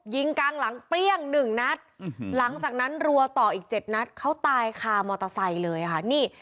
ยิงกลางหลังเปรี้ยงหนึ่งนัดหลังจากนั้นรัวต่ออีกเจ็ดนัดเขาตายคามอเตอร์ไซค์เลยค่ะนี่